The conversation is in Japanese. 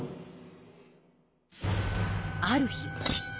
ある日。